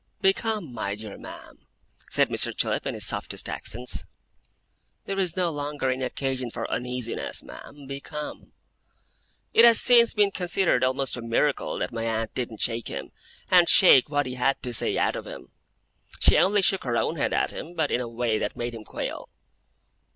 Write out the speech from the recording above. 'Be calm, my dear ma'am,' said Mr. Chillip, in his softest accents. 'There is no longer any occasion for uneasiness, ma'am. Be calm.' It has since been considered almost a miracle that my aunt didn't shake him, and shake what he had to say, out of him. She only shook her own head at him, but in a way that made him quail.